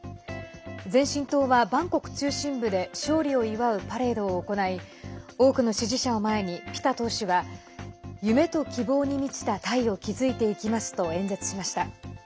前進党はバンコク中心部で勝利を祝うパレードを行い多くの支持者を前に、ピタ党首は夢と希望に満ちたタイを築いていきますと演説しました。